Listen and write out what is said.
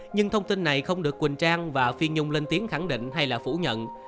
nhưng thông tin này không được quỳnh trang và phi nhung lên tiếng khẳng định hay là phủ nhận